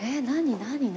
何？